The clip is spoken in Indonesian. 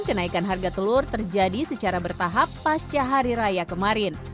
kenaikan harga telur terjadi secara bertahap pasca hari raya kemarin